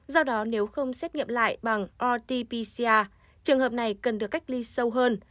do đó nếu không xét nghiệm lại bằng rt pcr trường hợp này cần được cách ly sâu hơn